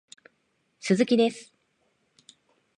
鈴木です